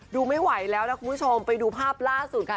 ดูไม่ไหวแล้วนะคุณผู้ชมไปดูภาพล่าสุดค่ะ